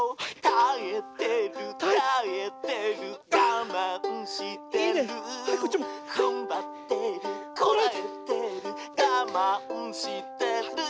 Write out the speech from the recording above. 「たえてるたえてるがまんしてる」「ふんばってるこらえてるがまんしてる」